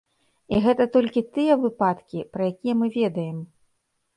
І гэта толькі тыя выпадкі, пра якія мы ведаем.